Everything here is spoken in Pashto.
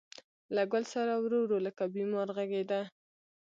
له ګل ســـــــره ورو، ورو لکه بیمار غـــــــږېده